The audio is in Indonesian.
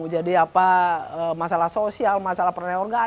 jadi apa masalah sosial masalah perniagaan